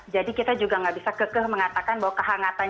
jadi kita juga nggak bisa kekeh mengatakan bahwa kehangatan